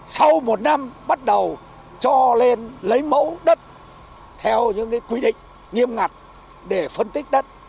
sau một năm bắt đầu cho lên lấy mẫu đất theo những quy định nghiêm ngặt để phân tích đất